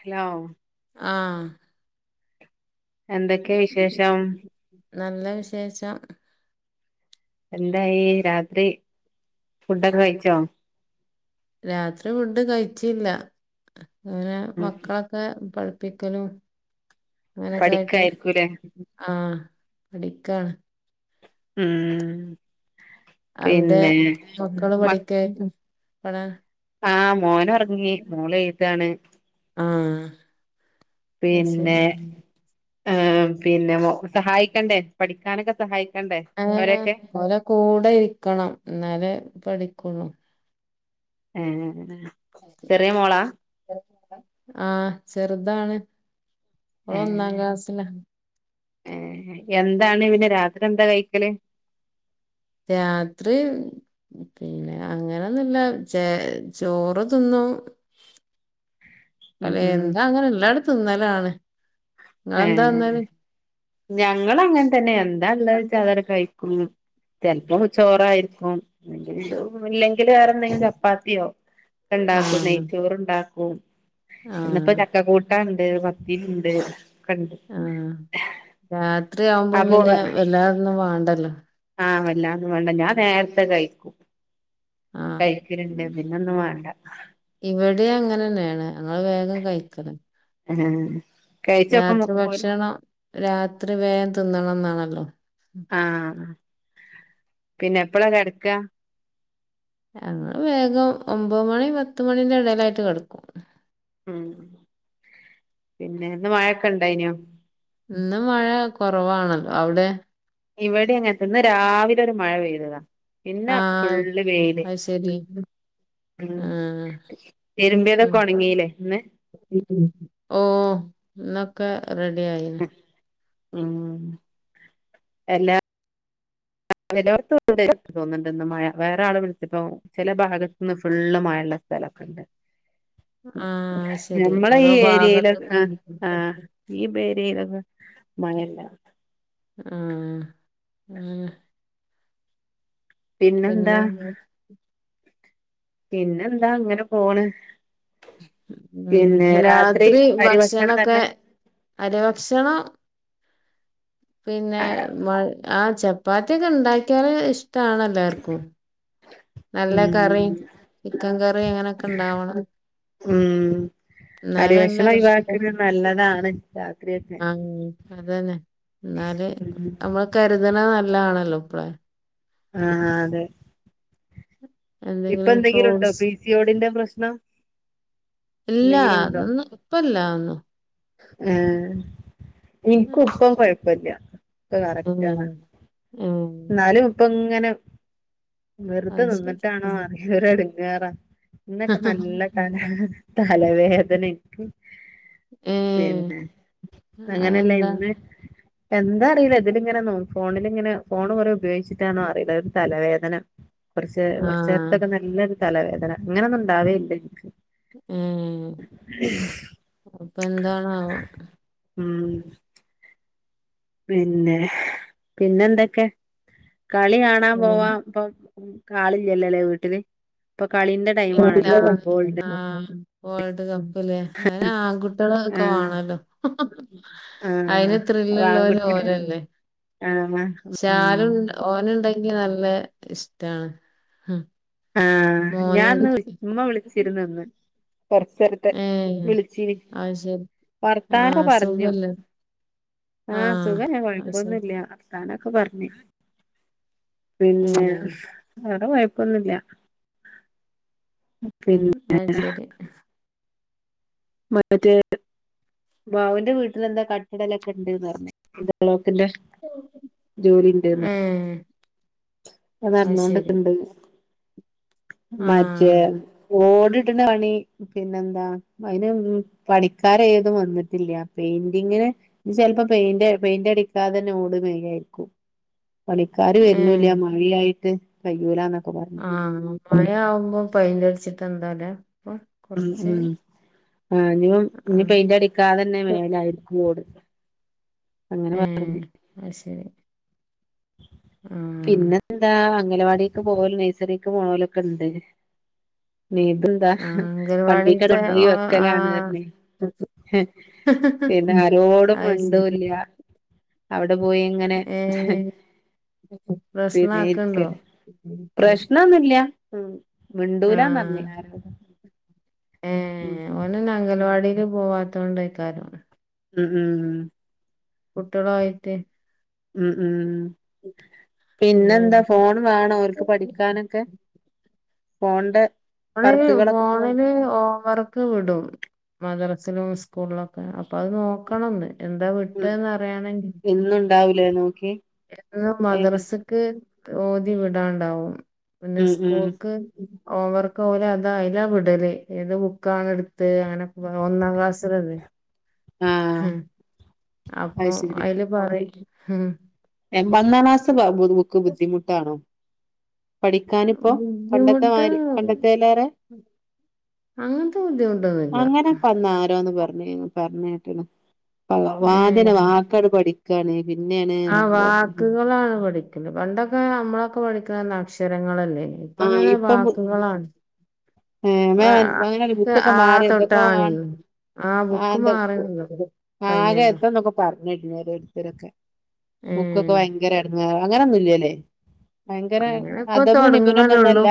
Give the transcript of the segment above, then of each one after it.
Hello ആഹ് എന്തെക്കെ വിശേഷം? നല്ല വിശേഷം. എന്തായി രാത്രി ഫുഡൊക്കെ കഴിച്ചോ? രാത്രി ഫുഡ് കഴിച്ചില്ല ഇങ്ങനെ ഉം മക്കളൊക്കെ പഠി പ്പിക്കലും അങ്ങനെക്കായിട്ട് പഠിക്കായിരിക്കൂലേ ആഹ് പഠി ക്കാണ്. ഉം അവടെ പിന്നെ [unintelligible] പഠിക്കേ [unintelligible] ആഹ് മോനോറങ്ങി മോളെഴ്താണ്. ആഹ് അയ് ശെരി പിന്നെ ഉം ഏഹ് പിന്നെ മോ സഹായിക്കണ്ടേ പഠിക്കാനൊക്കെ സഹായി ഏ ഓരെ കൂടെ ഇരിക്കണം ഇന്നാലെ പഠിക്കൊള്ളൂ ഏ ആ ചെറ്താണ് ഓൾ ഒന്നാം ക്ലാസിലാ ഏ എന്താണ് പിന്നെ രാത്രി എന്താ കഴിക്കല് രാത്രി മ് പിന്നെ അങ്ങനൊന്നൂല ചെ ചോറ് തിന്നും [inaudible] ഉം അല്ലെ ഉം എന്താ അങ്ങനെ ഇള്ളതങ്ങ്ട് തിന്നലാണ് ഇങ്ങളെന്താന്നല് ഞങ്ങളങ്ങനെ തന്നെ എന്താ ഉള്ളത്ച്ച അതട് കഴിക്കും ചിലപ്പോ ചോറായിരിക്കും ല്ലേ എ വേറെ എന്തെങ്കിലും ചപ്പാത്തിയോ ഉണ്ടാക്കും ആഹ് നെയ്ച്ചോറ് ഉണ്ടാക്കും ഇന്നിപ്പോ ആഹ് ചക്ക കൂട്ടാണ്ട് പത്തിരിണ്ട് ഒക്കെണ്ട് ആ രാത്രി ആവുമ്പോം അപ്പൊ പിന്നെ എല്ലാതൊന്നും വേണ്ടല്ലോ ആഹ് വല്ലാന്നും വേണ്ട ഞാൻ നേരത്തെ കഴിക്കും ആഹ് കഴിക്കലുണ്ട് ഉം പിന്ന ഒന്നും വേണ്ട ഇവിടിം അങ്ങനെന്നേണ് ഞങ്ങള് വേഗം കഴിക്കന് ആ കഴിച്ചപ്പം പോരും ഭക്ഷണം രാത്രി വേഗം തിന്നണംന്നാണല്ലോ ആഹ പിന്നെ എപ്പളാ കെടക്കാ ഞങ്ങള് വേഗം ഒമ്പത് മണി പത്ത് മണിന്റെ എടലായിട്ട് കിടക്കും ഉം പിന്നെന്ന് മഴക്കെ ഇണ്ടായിനോ ഇന്ന് മഴ കുറവാണ് അവിടെ ഇവിടെ അങ്ങെനെത്തന്നെ ഇന്ന് രാവിലെ ഒരു മഴ പെയ്തതാ പിന്ന ആഹ് ഫുള്ള് വെയില് അത് ശരി മ് ആഹ് തിരുമ്പിതൊക്കെ ഒണങ്ങീല്ലേ ഇന്ന് ഓ ഇന്നൊക്കെ റെഡി ആയിന് ഉം എല്ലാ [unintelligible] തോന്നുന്നുണ്ട് ഇന്ന് മഴ വേറെ ആള് വിളിച്ചപ്പോ ചില ഭാഗത്ത്ന്ന് ഫുള്ള് മഴയുള്ള സ്ഥലൊക്കണ്ട് ആഹ് ശരി ഞമ്മളെ ഓരോ ഈ ഏരിയയിലൊക്ക ആ ആഹ് ഭാഗത്ത്ക്ക് ഈ ബേരിയയിലൊക്കെ മഴല്ല ആ ആ പിന്നെന്താ പിന്നെ എന്താ അങ്ങനെ പോണ്. ഉം പിന്നെ രാത്രി അരിഭക്ഷണം തന്നെ അരിഭക്ഷണം പിന്നെ മഴ ആ ചപ്പാത്തിയൊക്കെ ഇണ്ടാക്കിയാല് ഇഷ്ടാണ് എല്ലാർക്കും നല്ല കറി ഉം ചിക്കൻ കറി അങ്ങനൊക്കെ ഇണ്ടാവണം ഉം അരിവക്ഷണം ഒയിവാക്കുന്നത് നല്ലതാണ് രാത്രി ഒക്കെ ആഹ് അതന്നെ എന്നാല് അമ്മള് കരുതണ നല്ലാണല്ലോ ഇപ്പളെ ആഹ് ഹാ അതെ ഇപ്പൊ എന്തെങ്കിലും എന്തെങ്കിലുണ്ടോ ഫ്രൂട്ട്സ് പി സി ഓടി ന്റെ പ്രശ്നം ഇല്ലാ എന്തെങ്കിലും അതൊന്നു ഇപ്പല്ലാന്നു ആഹ് ഇനിക്കൂപ്പം കൊയപ്പല്ല്യ ഇപ്പ കറക്റ്റാണ് ഉം ഉം ന്നാലും ഇപ്പം ഇങ്ങ് ങ്ങനെ വെറുതെ അത് ശരി. നിന്നിട്ടാണോ എന്തൊരെടങ്ങേറാ ഇന്നൊക്കെ നല്ല തല തലവേദന ഇന്ക്ക്‌ ഏഹ് പിന്നെ അങ്ങനെല്ല അതെന്താ? ഇന്ന് എന്താ അറിയില്ല ഇതിലിങ്ങനെ നോ ഫോണിലിങ്ങനെ ഫോണ് കുറെ ഉപയോഗിച്ചിട്ടാണോ അറിയില്ല ഒരു തലവേദന കുറച്ച് കുറച്ചു ആഹ് നേരത്തേക്ക്‌ നല്ലൊരു തലവേദന ഇങ്ങനെയൊന്നും ഉണ്ടാവലില്ല എനിക്ക് [inaudible] ഇപ്പൊ എന്താണാവോ ഉം പിന്നെ പിന്നെ എന്തൊക്കെ കളി കാണാൻ ഉം. പോവാം ഇപ്പം ഉം കാളയില്ലല്ലോ അല്ലേ വീട്ടില് ഇപ്പൊ കളിന്റെ ടൈം ആണല്ലോ ഫുട്ബോളിന്റെ ആ വഡ് [unintelligible] ല്ലേ അയിന് ആൺകുട്ടികള് ഒക്കെ ആഹ് വേണല്ലോ ആഹ് അയിന് അത് ത്രില്ല്ള്ളോര് ആൺകുട്ടി ഓലെന്നെ ആഹ് ഉം ശാലു ഓന്ണ്ടാ നിക്ക് നല്ല ഇഷ്ടാണ് ഹ ആഹ് മോന് ഞാൻന്ന് [unintelligible] കൊറച്ചെടുത്ത് വിളിച്ചീന് അത് ശരി വർത്താനോം ആഹ് പറഞ്ഞു സുഖല്ലേ ആ ആഹ് സുഖന്നെ അത് കൊഴപ്പൊന്നും ശരി ഇല്ല്യ വർത്താനൊക്കെ പറഞ്ഞു പിന്നെ ഏഹ് വേറെ കൊയപ്പൊന്നുല്ല പിന്നെ അയ് ശരി മറ്റേ ബാവൂന്റെ വീട്ടില് എന്തോ കട്ടിടലൊക്കെ ഇണ്ടേന്ന് പറഞ്ഞു [unintelligible] ത്തിന്റെ ജോലി ണ്ട്ന്ന് [unintelligible] ഏഹ് അത് നടന്നൊണ്ട് ക്ക് ണ്ട് ആഹ് മജേ ഓ ണ [unintelligible] പിന്നെന്താ അയിന് മം പണിക്കാരേതും വന്നിട്ടില്ല്യ പെയിന്റിംഗ് ങ്ങനെ ഇനി ചെല്‌പ്പം പെയിന്റ് പെയിന്റടിക്കാതെന്നെ ഓട് മേയായിരിക്കും പണിക്കാര് ഏഹ് വരുന്നുവില്ല്യ മഴ ആയിട്ട് കഴിയൂല്ലാന്ന് ആണോ മഴ ആവുമ്പോ പെയിന്റടിച്ചിട്ട് എന്താല്ലേ ഇപ്പം ഉം കൊറച്ച് ഉം ആ ഇനിയും ഇനി ആഹ് പെയിന്റ് അടിക്കാതെ തന്നെ മേയുവാരിക്കും ഓട് അങ്ങനെ ഏ പറഞ്ഞു അത് ശെരി പിന്നെന്താ അംഗലവാടിക്ക് പോവലും നെഴ്സറിക്ക് പോവലും ഒക്കെ ഇണ്ട് വീണ്ടും ദാ ആഹ് വണ്ടിക്ക് അംഗൻവാടിത്തെ കൊണ്ടുപോയി ഓഹ് വെക്കലാണ് ആഹ് പിന്നെ ആരോടും അത് ശരി മിണ്ടൂല്ല്യ അവിടെ പോയി ഇങ്ങനെ ഏഹ് പ്രശ്നാക്ക്ണ്ടോ? പിരിര്ക്കല് പ്രശ്നൊന്നും ഇല് ല്ല ഉം മിണ്ടൂല്ലാന്നു പറഞ്ഞു ആരോടും ഏ ഉം ഓനിന്ന് അംഗലവാടില് പോവാത്ത കൊണ്ടാ ക്കാര ഉം ഉം കുട്ടികളും ആയിട്ടേ ഉം ഉം ഉ പിന്നെന്താ അതായിരിക്കും. ഫോൺ വേണോ അവർക്ക് പഠിക്കാനൊക്കെ ഫോണൊണ്ട് നമ്മള് ഈ ഫോണില് ഹോംവർക്ക് വിടും മദ്ര സേലും സ്കൂളിലൊക്കെ അപ്പൊ അത് നോക്കണംന്ന് എന്താ ഉം വിട്ടേന്ന് അറിയണെങ്കിൽ ഇന്നുണ്ടാവൂലേ നോക്കി എന്നന്ന് ഏത് മദ്രസക്ക് ഓതി വിടാണ്ടാവും പിന്നെ ഉം ഉം സ്കൂൾക്ക് ഹോംവർക്ക് ഓല് അതാ അതിലാ വിടല് ഏത് ബുക്കാണ് എടുത്ത് അങ്ങനെ ഒന്നാം ക്ലാസ്സിലല്ലേ ഹ ആഹ് അത് അപ്പൊ ശരി അതില് പറയും ഹ പതിനൊന്നാം ക്ലാസ്സ്‌ ബുക്ക് ബുദ്ധിമുട്ടാണോ പഠിക്കാനിപ്പോ പണ്ടത്തെ ബുദ്ധിമുട്ട് മാരി പണ്ടത്തേലേറെ അങ്ങനത്തെ ബുദ്ധിമുട്ടൊന്നുല്ല അങ്ങനെ വന്നരാന്ന് പറ ന്ന് പറഞ്ഞേക്കണ് വാതിന ഏഹ് വാക്കാട് പഠിക്കാണ് പിന്നെയാണ് ആ വാക്കുകളാണ് പഠിക്കല് പണ്ടൊക്കെ നമ്മളൊക്കെ പഠിക്കുന്ന് അക്ഷരങ്ങളല്ലേ ആഹ് ഇപ്പങ്ങനെ ഇപ്പം വാക്കുകളാണ് ആ മാം അങ്ങനെ അത് ബുക്കൊക്കെ ആ മാറി എന്തൊക്കോ തൊട്ടാണ് ആണ് ആ ആഹ് ബുക്ക് എന്ത മാറി [unintelligible] ആകെ കയ്ഞൊല്ലം [unintelligible] ഓരോരുത്തരൊക്കെ ബുക്കൊക്കെ ഉം ഭയ്ങ്കര എടങ്ങേറ അങ്ങനെയൊന്നുല്ല്യലേ ഭയങ്കര അങ്ങനെ ഇപ്പൊ അതപുൻ ഇബ്നുൻ തുടങ്ങുന്നല്ലേ ഉള്ളൂ ഒന്നല്ല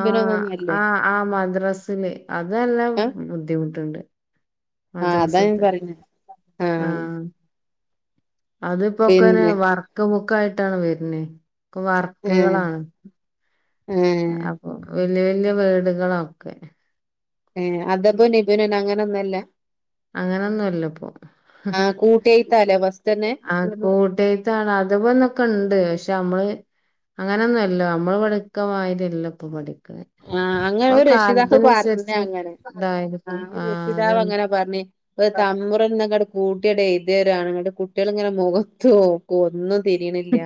ആ ആ ആ മദ്രാസില് അതെല്ലം ബുദ്ധിമുട്ടുണ്ട് ആ അതാ ഞാൻ മദ്രസത്തെ പറഞ്ഞെ ആ അതിപ്പോക്കെനെ വർക്കക്ക് ബുക്ക്‌ ആയിട്ടാണ് വരണേ ഇപ്പൊ ഏഹ് വർക്കുകളാണ് ഏഹ് അപ്പൊ വല്യ വല്യ വീടുകളൊക്കെ ഏ അദപുൻ ഇബ്നുൻ അങ്ങനൊന്നല്ല അങ്ങനൊന്നുംല്ലപ്പൊ ആഹ് കൂട്ടിയെഴുത്താല്ലേ ഫസ്റ്റന്നെ ആ കൂട്ടെഴുത്താണ് അതപുന്നൊക്കെണ്ട് പക്ഷെ നമ്മള് അങ്ങനെയൊന്നുമല്ലോ നമ്മള് പഠിക്കമാരി അല്ല ഇപ്പൊ പഠി ആ അങ്ങനെ ഒരു രഷിതാവ് പറഞ്ഞങ്ങനെ ആ ഇതായിരിക്കും ഒരു ആഹ് രഷിതാവ് അതന്നെ അങ്ങനെ പറഞ്ഞ് ഒരു തമ്റുൻന്നങ്ങട് കൂട്ടിടെയ് തെരാണ് നിങ്ങളുടെ കുട്ടികൾ ഇങ്ങനെ മുഖത്ത് നോക്കും ഒന്നും തിരിണില്ല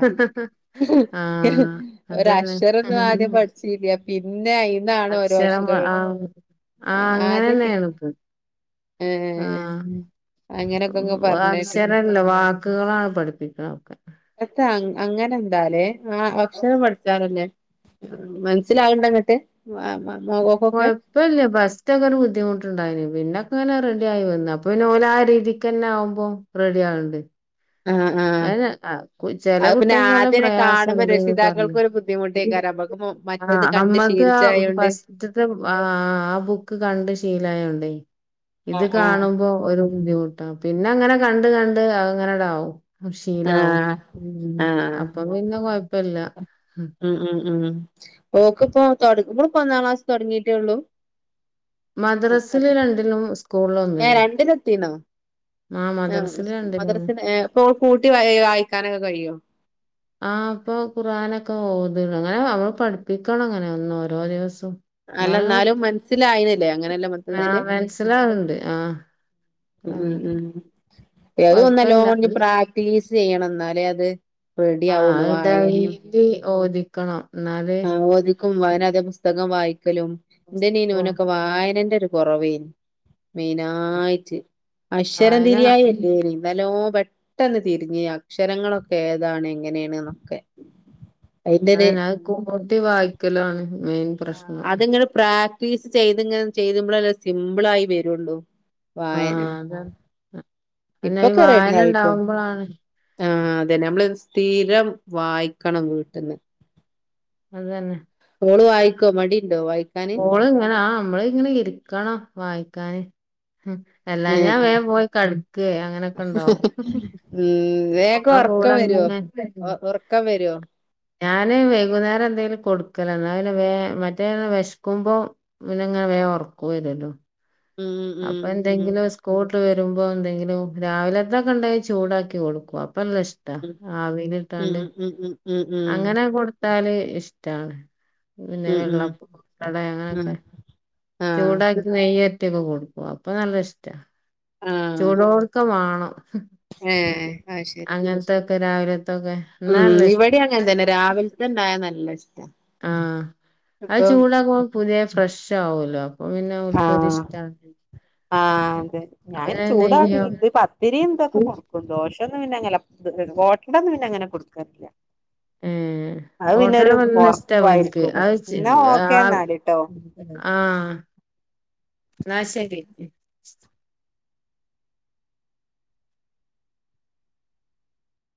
ആഹ് അതന്നെ ഒരഅക്ഷരൊന്നും ആദ്യം പഠിച്ചില്ല പിന്നെ അയിന്നാണ് ഓരോ അക്ഷരം ആ പഠി ആ ആദ്യൊക്കെ അങ്ങനെന്നെയാണ് ഇപ്പം ആ ഏഹ് അങ്ങനൊക്കെങ്ങ് പറഞ്ഞേട്ട്ണ് അക്ഷരല്ലോ വാക് ക്കുകളാണ് പഠിപ്പിക്കുന്നത് ഒക്കെ [unintelligible] അങ്ങനെ എന്താലേ ആ അക്ഷരം പഠിച്ചാലല്ലെ മനസ്സിലാവണ്ടങ്ങട്ട് കൊഴപ്പില്ല ഫസ്റ്റൊക്കെ ഒരു ബുദ്ധിമുട്ടുണ്ടായിന് പിന്ന അങ്ങനെ റെഡി ആയി വന്ന് അപ്പൊ പിന്ന ഓലാരീതിക്ക്ന്നെ ആകുമ്പോ റെഡിയാണ്ട് ആഹ് ആഹ് [unintelligible] ചെല അത് പിന്നെ കുട്ടികക്കെല്ലാം ആദ്യന്നെ കാണുമ്പോ പ്രയാസണ്ട്ന്ന് പറഞ്ഞു രക്ഷിതാക്കൾക്കൊരു ബുദ്ധിമുട്ടേക്കാരം നമ്മക്ക് ആ മറ്റത് കണ്ട് അമ്മക്ക് ആ ശീലിച്ചായോണ്ട് പസ്റ്റ്ത്തെ ആ ആ ബുക്ക് കണ്ട് ശീലായോണ്ടേ ഇത് ആഹ് ആഹ് കാണുമ്പോ ഒര് ബുദ്ധിമുട്ടാ പിന്നങ്ങനെ കണ്ട് കണ്ട് അത്ങ്ങനെടാവും. അത് ശീലാവും ആഹ് ഉം ആഹ് അപ്പൊ പിന്നെ കൊഴപ്പല്ല. ഉം ഉം ഉം ഓക്ക് പ്പൊ തൊടങ്ങ് ഇവള് പ്പൊന്നാം ക്ലാസ് തൊടങ്ങിട്ടൊള്ളൂ? മദ്രാസ്സ്ല് രണ്ടിലും സ് ഏഹ് രണ്ട്ലെത്തീണോ? ആ ആഹ് മദ്രസില് രണ്ടിലും മദ്റസ്ന് എഹ് പ്പൊ കൂട്ടി വായ് വായിക്കാനൊക്കെ കയ്യോ? ആഹ് ഇപ്പൊ ഖുർആനൊക്കെ ഓത്ണ് ഇങ്ങനെ നമ്മള് പഠിപ്പിക്കണ ഇങ്ങനെ എന്നും ഓരോ ദിവസം. അല്ല എന്നാലും ഇന്നാലും മൻസ്സ്ലായിണ്ല്ലേ അങ്ങനെല്ല ആ മൊത്തത്തില്. മനസ്സിലാവ്ണ്ട് ആ ഉം അതാണ്. ഉം ഏതെ ഒന്നല്ലോ കൊഴപ്പല്ല ഓൻ ഇഞ്ഞ് പ്രാക്ടീസ് ചെയ്യണം ഇന്നാലെ അത് റെഡി ആഹ് ആവുള്ളൂ അഹ് വായനയും ഡെയിലി ഓതിക്കണം ഇന്നാല് ക്കും വായന അതേ പുസ്തകം വായിക്കലും എന്ത്‌നെനോ പുസ്തകവും ഓനൊക്കെ വായനന്റെ ഒര് കൊറെവേനി മെയിനായിറ്റ് അക്ഷരം വായന തിരിയായല്ലേനി നല്ലോം പെ ട്ടെന്ന് തിരിഞ്ഞ് അക്ഷരങ്ങളൊക്കെ ഏതാണ് എങ്ങനെയാണ് എന്നൊക്കെ അയിന്റൊരു അതന്നെ അഹ് കൂട്ടി വായിക്കലാണ് മെയിൻ ആഹ് പ്രശ്നം അത്ങ്ങനെ പ്രാക്ടീസ് ചെയ്ത്ങ്ങനെ ചെയ്ത് മ്പളല്ലേ സിമ്പിൾ ആയി വെര് ഒള്ളൂ. ആ വായന അതാണ് അന്നെ ഈ ഇപ്പൊക്കെ റെഡി വായന ആയിട്ടൊ. ഉണ്ടാവുമ്പോളാണ് ആഹ് ഇതെന്നെ നമ്മള് ഒര് സ്ഥിരം വായിക്കണം വീട്ട്ന്ന്. അതെന്നെ ഓള് വായിക്കോ മടി ഓള് ഇങ്ങനെ ആഹ് നമ്മളിങ്ങനെ ഇരിക്കണം വായിക്കാന് ഉം ഏഹ് എല്ലാഞ്ഞാ വേം പോയി കളിക്കെ അങ്ങനൊക്കണ്ടാവും. ഉം [inaudible] വേഗം ഒറക്കം വരുവോ ഒ ഒറക്കം വരുവോ ഞാന് വൈകുന്നേരം എന്തേലും കൊട്ക്കല. എന്നാ പിന്നെ വേം മറ്റേ വെശ്ക്കുമ്പൊ പിന്നെങ്ങനെ വേം ഒറക്കു വെര്ല്ലോ. ഉം ഉം അപ്പ ഉം എന്തെങ്കിലും സ്കൂൾട്ട് വെര് രുമ്പൊ എന്തെങ്കിലും രാവിലെ ത്തൊക്കെ ഇണ്ടെ ചൂടാക്കി കൊടുക്കും അ പ്പ ല്ലഇഷ്ടാ ആവീലിട്ടാണ്ട് മ് മ് ട്ടാല് ഇഷ്ടാണ്. പിന്നെ, ഉം ഉം വെള്ളപ്പ ഉം [unintelligible] ആഹ് ആഹ് ചൂടായ്ര്ക്ക് നെയ്യരട്ടിക്കെ കൊടുക്കും. അപ്പൊ നല്ല ഇഷ്ടാ. ആഹ് ചൂടോട്ക്ക വാണം. ഏഹ് അഹ് ശെരി. ത്ത രാവിലെ ഉം ഇവിടെം അങ്ങൻതന്നെ രാവില്ത്തെ ഇണ്ടായാ നല്ല ഇഷ്ടം ആഹ് അത് ചൂടാകുമ്പൊ പുതിയ ഫ്രഷാവൊല്ലോ അപ്പ പിന്നെ ആഹ് ഓൽക്കൊരിഷ്ടാണ് ആഹ് അതെ ഞാനിയ് ചൂടാ ഇത് പത്തിരീം ഇതൊക്കെ കൊട്ക്കും ദോശേ പിന്നെ അങ്ങനെ ഹോട്ടലൊന്നും പിന്നെ അങ്ങനെ കൊടുക്കാറില്ല മ് അത് പിന്നെ ഓട്ടോട ഒരു നല്ല ഇഷ്ടാവല്ക്ക് ഒറപ്പായിരിക്കുല്ലോ അവ്ചി എന്നാ ഓക്കെ ആഹ് എന്നാല് ട്ടോ ആഹ് ന്നാ ശരി